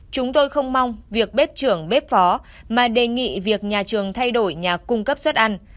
chúng tôi không mong việc bếp trưởng bếp phó mà đề nghị việc nhà trường thay đổi nhà cung cấp suất ăn